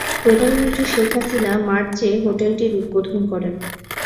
প্রধানমন্ত্রী শেখ হাসিনা মার্চে হোটেলটির উদ্বোধন করেন।